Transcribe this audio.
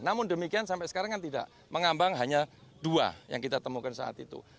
namun demikian sampai sekarang kan tidak mengambang hanya dua yang kita temukan saat itu